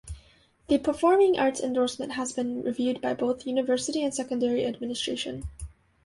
The Performing Arts Endorsement has been reviewed by both university and secondary administration.